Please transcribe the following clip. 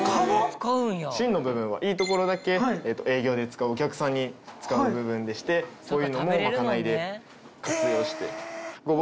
芯の部分はいい所だけ営業で使うお客さんに使う部分でしてこういうのもまかないで活用して。